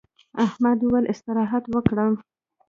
احمد وويل: استراحت وکړه.